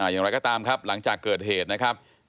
อย่างไรก็ตามครับหลังจากเกิดเหตุนะครับ